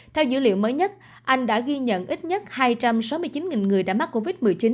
theo dữ liệu mới nhất anh đã ghi nhận ít nhất hai trăm sáu mươi chín người đã mắc covid một mươi chín